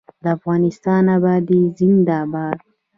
د افغانستان ابادي زنده باد.